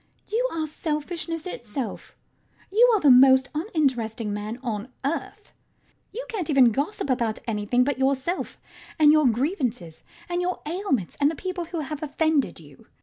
You are selfishness itself. You are the most uninteresting man on earth. You can't even gossip about anything but yourself and your grievances and your ailments and the people who have offended you.